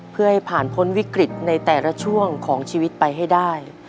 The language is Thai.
เพื่อให้ผ่านพ้นวิกฤตในแต่ละช่วงของชีวิตไปให้ได้